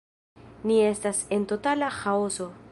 Ni estis en totala ĥaoso.